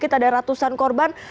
sedikit ada ratusan korban